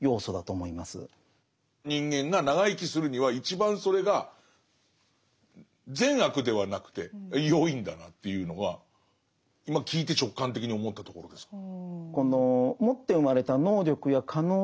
人間が長生きするには一番それが善悪ではなくてよいんだなというのは今聞いて直感的に思ったところですかね。